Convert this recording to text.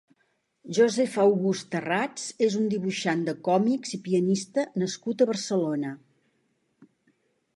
Joseph August Tharrats és un dibuixant de còmics i pianista nascut a Barcelona.